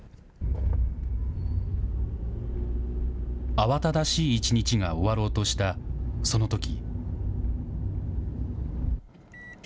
慌ただしい一日が終わろうとした、そのとき。